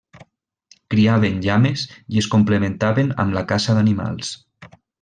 Criaven llames i es complementaven amb la caça d'animals.